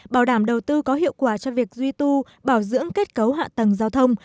bảo đảm đầu tư có hiệu quả cho việc duy tu bảo dưỡng kết cấu hạ tầng giao thông